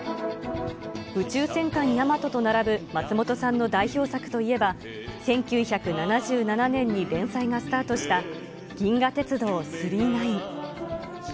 宇宙戦艦ヤマトと並ぶ松本さんの代表作といえば、１９７７年に連載がスタートした銀河鉄道９９９。